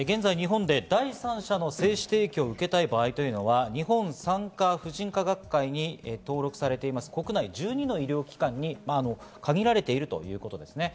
日本では現在、第三者の精子提供を受けたい場合は、日本産科婦人科学会に登録されています国内の１２の医療機関に限られているということです。